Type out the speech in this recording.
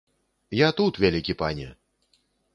Я тут, вялікі пане!